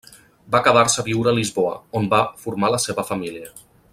Va quedar-se a viure a Lisboa, on va formar la seva família.